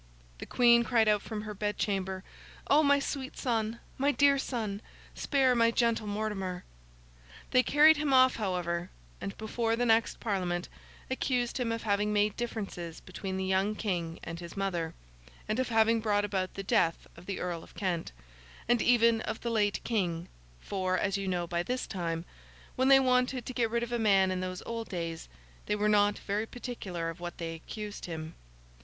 The Queen cried out from her bed chamber, 'Oh, my sweet son, my dear son, spare my gentle Mortimer!' They carried him off, however; and, before the next Parliament, accused him of having made differences between the young King and his mother, and of having brought about the death of the Earl of Kent, and even of the late King; for, as you know by this time, when they wanted to get rid of a man in those old days, they were not very particular of what they accused him.